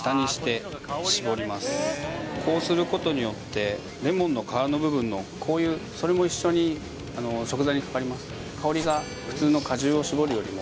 こうすることによってレモンの皮の部分の香油それも一緒に食材にかかります